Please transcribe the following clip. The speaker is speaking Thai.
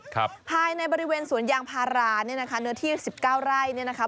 ภายในบริเวณสวนยางพาราเนี้ยนะคะเนื้อที่สิบเก้าไร่เนี่ยนะคะ